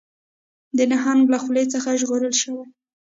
د نهنګ له خولې څخه ژغورل شوي